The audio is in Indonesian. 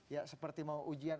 ya seperti mau ujian